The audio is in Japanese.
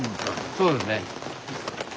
そうですね。